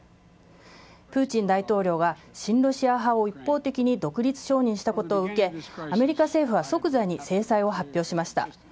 プーチン大統領が親ロシア派を一方的に独立承認したことを受け、アメリカ政府は即座に制裁を発表しました。